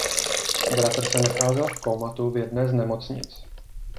Bratr se nacházel v kómatu v jedné z nemocnic.